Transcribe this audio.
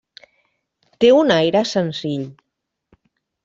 Té un aire senzill.